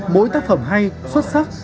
mỗi tác phẩm hay xuất sắc